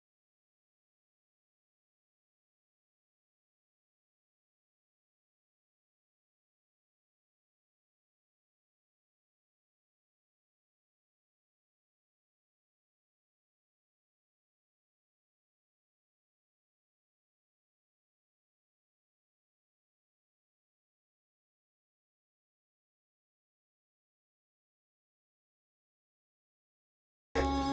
sampai jumpa lagi